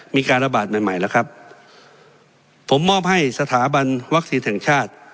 มีการระบาดใหม่ใหม่แล้วครับผมมอบให้สถาบันวัคซีนแห่งชาติ